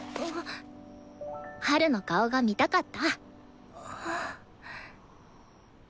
ハルの顔が見たかった。